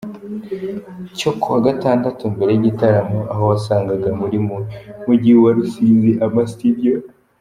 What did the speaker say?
cyo kuwa gatandatu mbere yigitaramo aho wasangaga mu mujyi wa Rusizi ama studios.